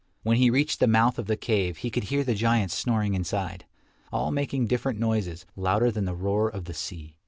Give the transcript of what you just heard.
When he reached the mouth of the cave he could hear the giants snoring inside, all making different noises, louder than the roar of the sea.